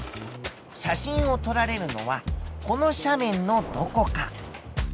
写真を撮られるのはこの斜面のどこか。